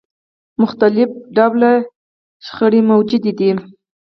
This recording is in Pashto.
مختلف ډوله شخړې موجودې دي.